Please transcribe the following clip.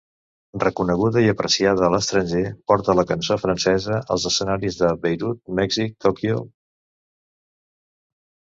Reconeguda i apreciada a l'estranger porta la cançó francesa als escenaris de Beirut, Mèxic, Tòquio.